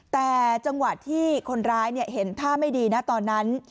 แต่จังหวะที่คนร้ายเห็นท่าไม่ดีนะตอนนั้น